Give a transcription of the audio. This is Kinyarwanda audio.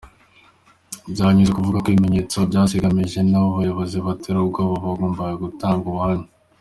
Byakunze kuvugwa ko ibimenyetso byasibanganyijwe n’abo bayobozi batera ubwoba abagombaga gutanga ubuhamya.